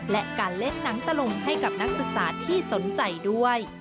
และการเล่นหนังตะลุงให้กับนักศึกษาที่สนใจด้วย